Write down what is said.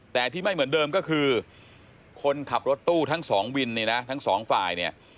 แต่ที่ไม่เหมือนเดิมก็คือคนขับรถตู้ทั้งสองวินเนี่ยนะทั้งสองฝ่ายเนี่ย